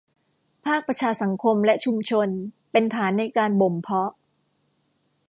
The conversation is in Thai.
ภาคประชาสังคมและชุมชนเป็นฐานในการบ่มเพาะ